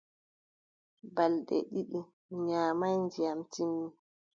Balɗe ɗiɗi mi nyaamaay, ndiyam timmi.